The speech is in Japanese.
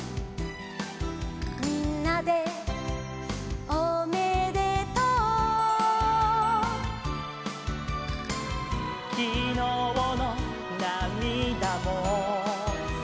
「みんなでおめでとう」「きのうのなみだもすぐに」